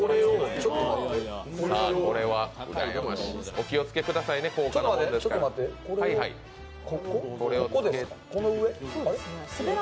お気をつけくださいね、高価なものですから。